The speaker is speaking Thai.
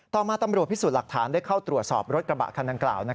ต่อมาตำรวจพิสูจน์หลักฐานได้เข้าตรวจสอบรถกระบะคันดังกล่าว